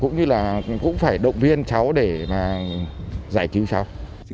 cũng như là cũng phải động viên cháu để mà giải cứu cháu